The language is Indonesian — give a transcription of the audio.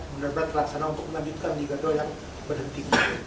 benar benar terlaksana untuk melanjutkan liga dua yang berhenti